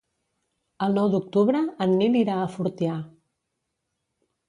El nou d'octubre en Nil irà a Fortià.